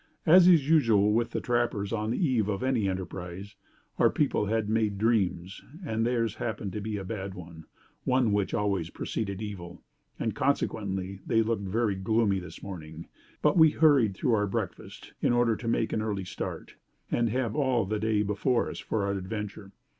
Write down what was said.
As is usual with the trappers on the eve of any enterprise, our people had made dreams, and theirs happened to be a bad one one which always preceded evil and consequently they looked very gloomy this morning; but we hurried through our breakfast, in order to make an early start, and have all the day before us for our adventure.